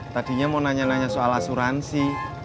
tadinya mau nanya nanya soal asuransi